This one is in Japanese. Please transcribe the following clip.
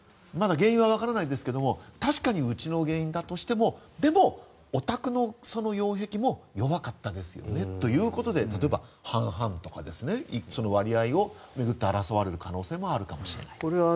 原因は分からないですが確かに、うちの原因だとしてもおたくの擁壁も弱かったですよねということで半々とか割合を巡って争われる可能性もあるかもしれない。